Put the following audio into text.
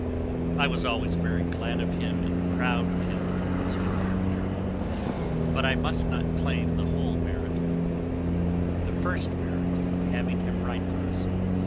I was always very glad of him and proud of him as a contributor, but I must not claim the whole merit, or the first merit of having him write for us.